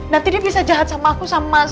nanti dia bisa jahat sama aku sama